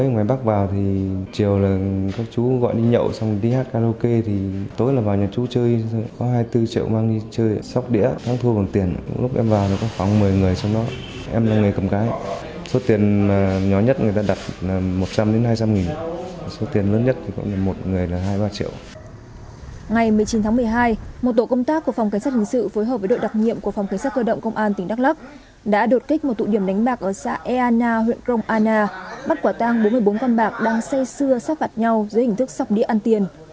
ngày một mươi chín tháng một mươi hai một tổ công tác của phòng cảnh sát hình sự phối hợp với đội đặc nhiệm của phòng cảnh sát cơ động công an tỉnh đắk lắk đã đột kích một tụ điểm đánh bạc ở xã eana huyện công ana bắt quả tăng bốn mươi bốn con bạc đang xây xưa sắp vặt nhau dưới hình thức sọc đĩa ăn tiền